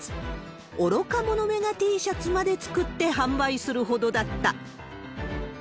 愚か者めがＴシャツまで作って販売するほどだった。